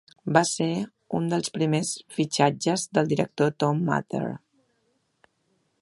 Va ser un dels primers fitxatges del director Tom Mather.